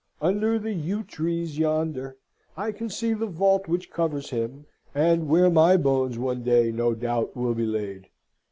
Under the yew trees yonder, I can see the vault which covers him, and where my bones one day no doubt will be laid.